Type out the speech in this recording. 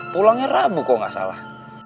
pulangnya rabu kok gak salah